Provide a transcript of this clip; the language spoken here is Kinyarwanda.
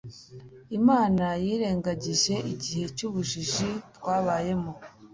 imana yirengagije igihe cy'ubujiji twabayemo